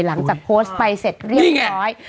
หลังจากโพสต์ไปเสร็จเรียบร้อย